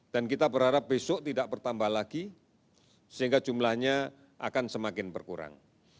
kita berharap besok tidak bertambah lagi sehingga jumlahnya akan semakin berkurang